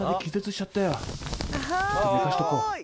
ちょっと寝かしとこう。